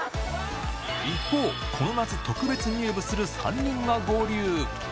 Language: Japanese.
一方、この夏、特別入部する３人が合流。